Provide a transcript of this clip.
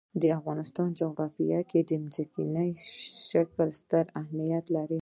د افغانستان جغرافیه کې ځمکنی شکل ستر اهمیت لري.